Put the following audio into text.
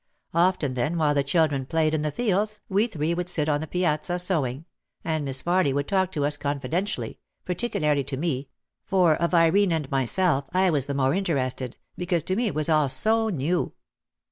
Often then while the children played in the fields we three would sit on the piazza sewing, and Miss Farly would talk to us confidentially, particularly to me — for of Irene and my self I was the more interested because to me it was all so new.